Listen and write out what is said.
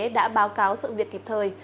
đã báo cáo sự việc kịp thời